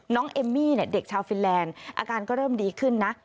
เอมมี่เด็กชาวฟินแลนด์อาการก็เริ่มดีขึ้นนะ